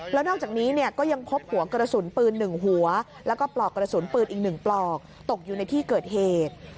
แล้วนอกจากนี้ก็ยังพบหัวกระสุนปืน๑หัวแล้วก็ปลอกกระสุนปืนอีก๑ปลอกตกอยู่ในที่เกิดเหตุ